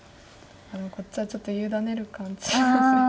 こっちはちょっと委ねる感じ。